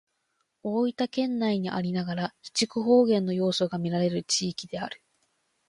大分県内にありながら肥筑方言の要素がみられる地域である。